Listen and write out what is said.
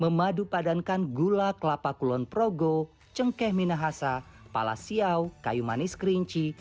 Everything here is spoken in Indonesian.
memadu padankan gula kelapa kulon progo cengkeh minahasa palas siau kayu manis kerinci